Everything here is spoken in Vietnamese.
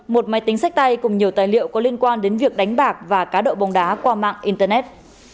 một máy tính sách tay cùng nhiều tài liệu có liên quan đến việc đánh bạc và cá độ bóng đá qua mạng internet